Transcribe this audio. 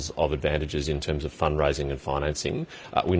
dengan mengatakan tentang penguasaan dan penguasaan